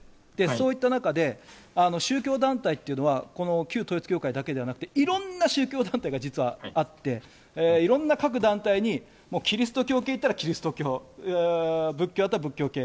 そういった中で、宗教団体っていうのは、この旧統一教会だけではなくていろんな宗教団体が実はあって、いろんな各団体にもうキリスト教系行ったらキリスト教、仏教だったら、仏教系。